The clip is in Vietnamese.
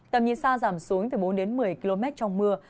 tầm nhìn xa giảm xuống từ bốn đến một mươi km trong mưa